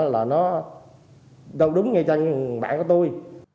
là nó đúng nghe tranh bạn của tôi